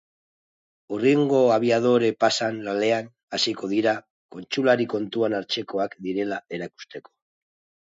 Hurrengo abiadore-pasan lanean hasiko dira, kontsulari kontuan hartzekoak direla erakusteko.